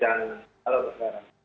jangan lupa sekarang